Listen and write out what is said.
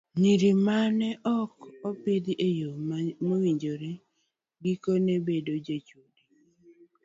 Nyiri ma ne ok opidh e yo mowinjore, gikone bedo jochode.